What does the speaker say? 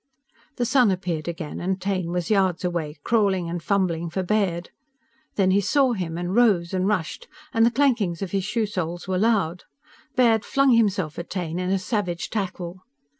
The sun appeared again, and Taine was yards away, crawling and fumbling for Baird. Then he saw him, and rose and rushed, and the clankings of his shoe soles were loud. Baird flung himself at Taine in a savage tackle.